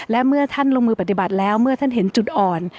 และเมื่อท่านลงมือปฏิบัติแล้วเมื่อท่านเห็นจุดอ่อน